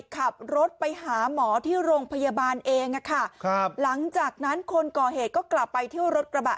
ขับรถไปหาหมอที่โรงพยาบาลเองค่ะครับหลังจากนั้นคนก่อเหตุก็กลับไปเที่ยวรถกระบะ